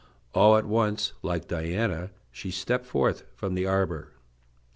All at once, like Diana, she stepped forth from the arbor.